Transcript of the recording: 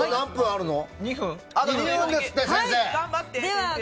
あと２分ですって、先生。